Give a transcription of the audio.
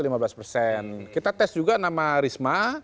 dan kita tes juga nama risma